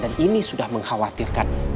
dan ini sudah mengkhawatirkan